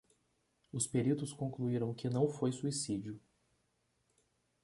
Os peritos concluiram que não foi suicídio.